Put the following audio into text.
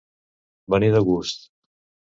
Venir de gust.